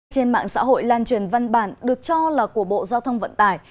trên mạng xã hội lan truyền văn bản được cho là của bộ giao thông vận tải